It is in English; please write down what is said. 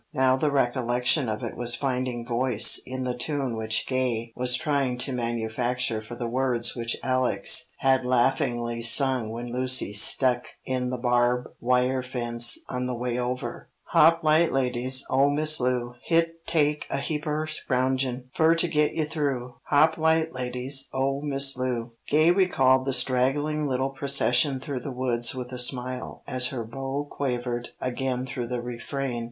Now the recollection of it was finding voice in the tune which Gay was trying to manufacture for the words which Alex had laughingly sung when Lucy stuck in the barb wire fence on the way over: "Hop light, ladies, Oh, Miss Loo, Hit take a heap er scrougin' Fer to git you throo. Hop light, ladies, oh, Miss Loo!" Gay recalled the straggling little procession through the woods with a smile, as her bow quavered again through the refrain.